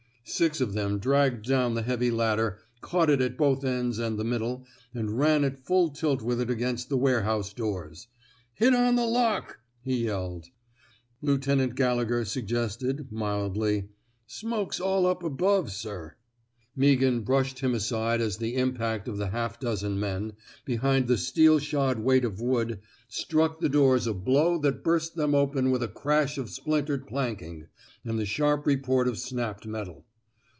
'* Six of them dragged down the heavy lad der, caught it at both ends and the middle, and ran at full tilt with it against the warehouse doors. *^ Hit on the lockl '* he yelled. Lieutenant Gallegher suggested, mildly: Smoke's all up above, sir.'* Meaghan brushed him aside as the impact of the half dozen men, behind the steel shod weight of wood, struck the doors a blow that burst them open with a crash of splintered planking and the sharp report of snapped metal.